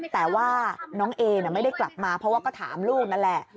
แต่ว่าน้องเอไม่ได้กลับมาเพราะว่าก็ถามลูกนั่นแหละ